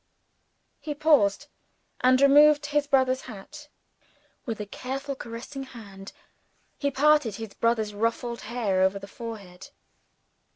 He paused, and removed his brother's hat. With careful, caressing hand, he parted his brother's ruffled hair over the forehead.